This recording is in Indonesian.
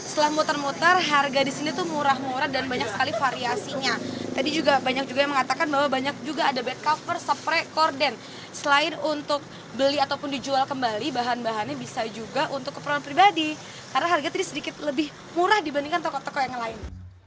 setelah muter muter harga di sini tuh murah murah dan banyak sekali variasinya tadi juga banyak juga yang mengatakan bahwa banyak juga ada bed cover spray corden selain untuk beli ataupun dijual kembali bahan bahannya bisa juga untuk keperluan pribadi karena harga tadi sedikit lebih murah dibandingkan toko toko yang lain